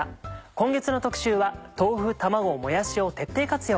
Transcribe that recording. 今月の特集は「豆腐卵もやしを徹底活用」。